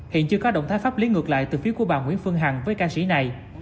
hiện chưa có động thái pháp lý ngược lại từ phía của bà nguyễn phương hằng với ca sĩ này